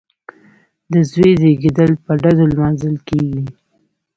د زوی زیږیدل په ډزو لمانځل کیږي.